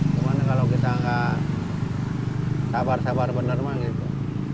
gimana kalau kita nggak sabar sabar bener mah gitu